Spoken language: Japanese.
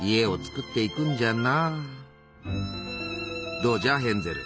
どうじゃヘンゼル。